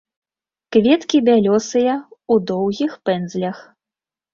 Кветкі бялёсыя, у доўгіх пэндзлях.